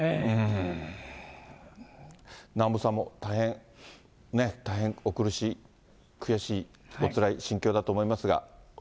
南部さんも大変お苦しい、悔しい、おつらい心境だと思いますが。